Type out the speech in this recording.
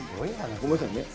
ごめんなさいね。